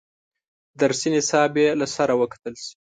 درسي نصاب یې له سره وکتل شي.